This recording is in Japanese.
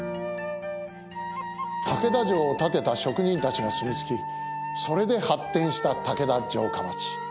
竹田城を建てた職人たちが住み着きそれで発展した竹田城下町。